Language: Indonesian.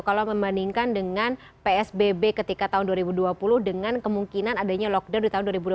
kalau membandingkan dengan psbb ketika tahun dua ribu dua puluh dengan kemungkinan adanya lockdown di tahun dua ribu dua puluh